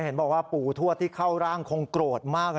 เห็นบอกว่าปู่ทวดที่เข้าร่างคงโกรธมาก